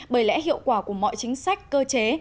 bởi lẽ hiệu quả của mọi chính sách cơ chế